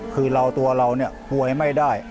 คือเราตัวเราเนี่ยป่วยไม่ได้